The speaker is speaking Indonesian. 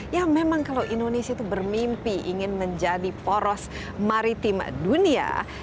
ya memang kalau indonesia itu bermimpi ingin menjadi poros maritim dunia